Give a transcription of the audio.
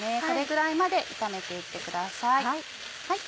これぐらいまで炒めて行ってください。